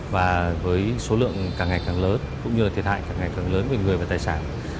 và với số lượng càng ngày càng lớn cũng như thiệt hại càng ngày càng lớn về người và tài sản